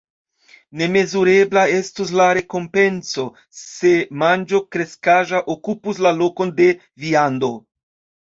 Nemezurebla estus la rekompenco, se manĝo kreskaĵa okupus la lokon de viando.